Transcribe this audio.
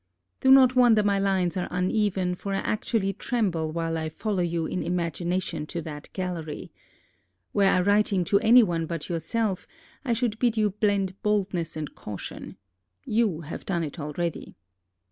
Do not wonder my lines are uneven, for I actually tremble while I follow you in imagination to that gallery. Were I writing to any one but yourself I should bid you blend boldness and caution. You have done it already.